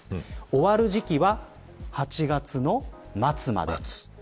終わる時期は８月の末までです。